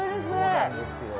そうなんですよ。